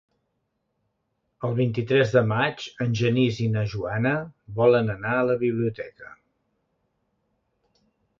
El vint-i-tres de maig en Genís i na Joana volen anar a la biblioteca.